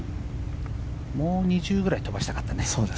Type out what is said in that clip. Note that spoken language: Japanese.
もう２０ヤードぐらい飛ばしたかったね。